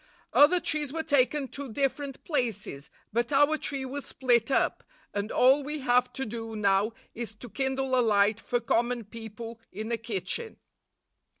Other trees were taken to different places, but our tree was split up, and all we have to do now is to kindle a light for common people in a kitchen.